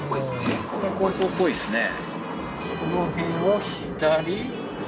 これ高校っぽいですね